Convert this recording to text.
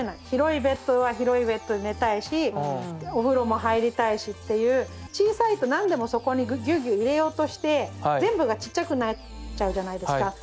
広いベッドは広いベッドで寝たいしお風呂も入りたいしっていう小さいと何でもそこにぎゅうぎゅう入れようとして全部がちっちゃくなっちゃうじゃないですか。